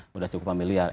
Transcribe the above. sudah cukup familiar